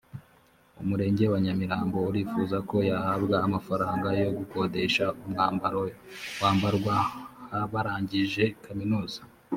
umurenge wa nyamirambo urifuza ko yahabwa amafaranga yo gukodesha umwambaro wambarwa barangije kaminuza